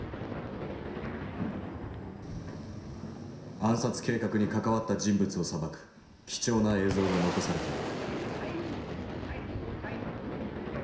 暗殺計画に関わった人物を裁く貴重な映像が残されている。